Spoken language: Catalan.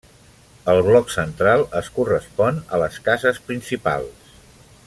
El bloc central es correspon a les cases principals.